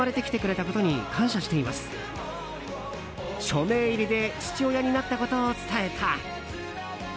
署名入りで父親になったことを伝えた。